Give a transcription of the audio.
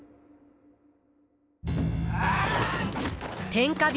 天下人